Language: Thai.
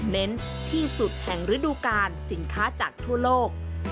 เน้นที่สุดแห่งฤดูการสินค้าจากทั่วโลก